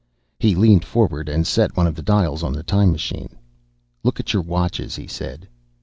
He leaned forward and set one of the dials on the time machine. "Look at your watches," he said.